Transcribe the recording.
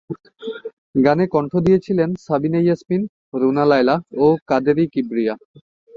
গানে কণ্ঠ দিয়েছেন সাবিনা ইয়াসমিন, রুনা লায়লা ও কাদেরী কিবরিয়া।